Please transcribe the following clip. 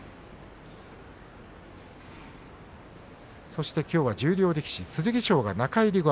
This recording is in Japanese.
そして、きょうは十両力士、剣翔が中入り後